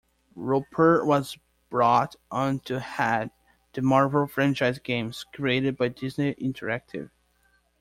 Roper was brought on to head the Marvel Franchise games created by Disney Interactive.